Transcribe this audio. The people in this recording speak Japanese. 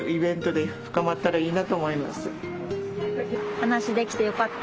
話できてよかった？